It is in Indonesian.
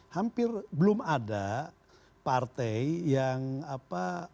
hampir belum ada partai yang apa